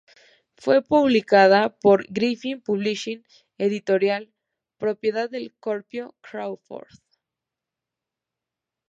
Fue publicada por Griffin Publishing, editorial propiedad del propio Crawford.